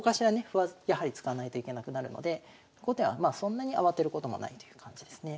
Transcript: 歩はやはり使わないといけなくなるので後手はまあそんなに慌てることもないという感じですね。